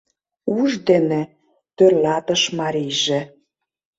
— Уш дене, — тӧрлатыш марийже.